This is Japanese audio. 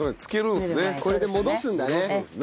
これで戻すんだね。